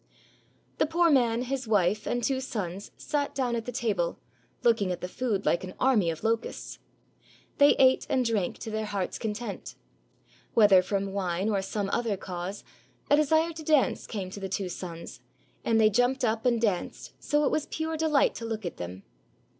The poor man, his wife, and two sons sat down at the table, looking at the food like an army of locusts. They ate and drank to their hearts' content. Whether from wine or some other cause, a desire to dance came to the two sons ; and they jumped up and danced, so it was pure delight to look at them.